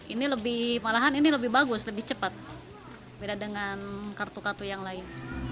ini lebih malahan ini lebih bagus lebih cepat beda dengan kartu kartu yang lain